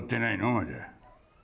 まだ？